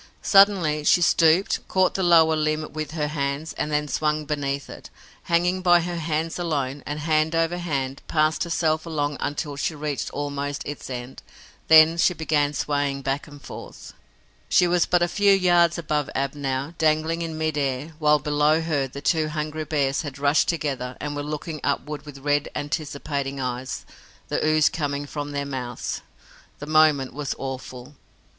Suddenly she stooped, caught the lower limb with her hands and then swung beneath it, hanging by her hands alone, and, hand over hand, passed herself along until she reached almost its end. Then she began swaying back and forth. She was but a few yards above Ab now, dangling in mid air, while, below her, the two hungry bears had rushed together and were looking upward with red, anticipating eyes, the ooze coming from their mouths. The moment was awful.